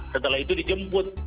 setelah itu dijemput